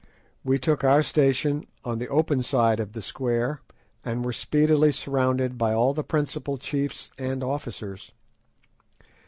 We took our station on the open side of the square, and were speedily surrounded by all the principal chiefs and officers.